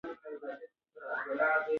چې حتی ښه نوم او ښه نښه پرېښودل